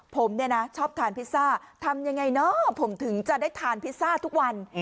ผมเนี่ยนะชอบทานพิซซ่าทำยังไงเนอะผมถึงจะได้ทานพิซซ่าทุกวัน